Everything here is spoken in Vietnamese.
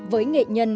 với nghệ nhân